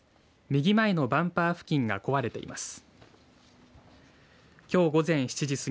右前のバンパー付近が壊れています。